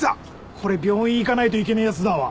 これ病院行かないといけねえやつだわ。